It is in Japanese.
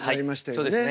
そうですね。